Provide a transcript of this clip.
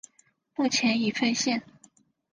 目前已废线。